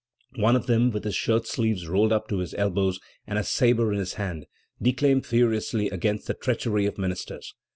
One of them, with his shirt sleeves rolled up to his elbows, and a sabre in his hand, declaimed furiously against the treachery of ministers.